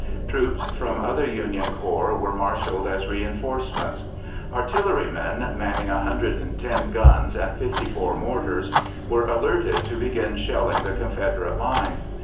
Troops from other Union corps were marshalled as reinforcements. Artillerymen, manning 110 guns and 54 mortars, were alerted to begin shelling the Confederate line.